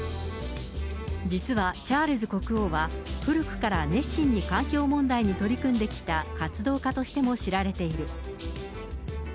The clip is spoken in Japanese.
実は、チャールズ国王は古くから熱心に環境問題に取り組んできた活動家としても知られている。